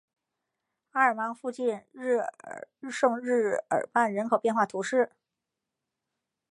埃尔芒附近圣日耳曼人口变化图示